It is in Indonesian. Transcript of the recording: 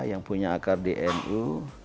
yang punya akar di nu